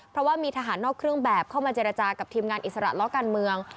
เพราะว่ามีทหารนอกเครื่องแบบเข้ามาเจรจากับทีมงานอิสระล้อการเมือง